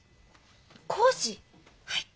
はい。